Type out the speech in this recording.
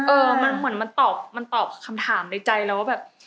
เออมันเหมือนมันตอบมันตอบคำถามในใจเราว่าแบบ